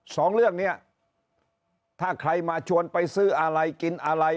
สองเรื่องนี้ถ้าใครมาชวนไปซื้ออะไรกินอะไร